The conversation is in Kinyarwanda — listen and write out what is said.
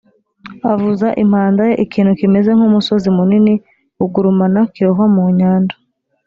avuza impanda ye ikintu kimeze nk umusozi munini b ugurumana kirohwa mu nyanja